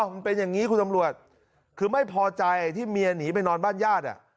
มันเป็นอย่างนี้คุณตำรวจคือไม่พอใจที่เมียหนีไปนอนบ้านญาติ